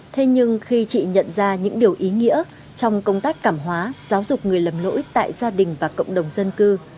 thế nhưng khi chị nhận ra những điều ý nghĩa trong công tác cảm hóa giáo dục người lầm lỗi tại gia đình và cộng đồng dân cư